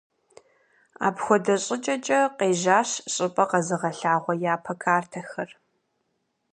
Апхуэдэ щӀыкӀэкӀэ къежьащ щӀыпӀэ къэзыгъэлъагъуэ япэ картэхэр.